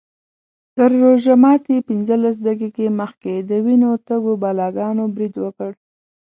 تر روژه ماتي پینځلس دقیقې مخکې د وینو تږو بلاګانو برید وکړ.